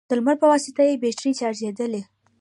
د لمر په واسطه يې بېټرۍ چارجېدلې،